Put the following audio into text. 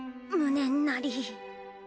無念なり。